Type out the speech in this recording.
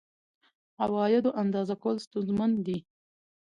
عوایدو اندازه کول ستونزمن دي.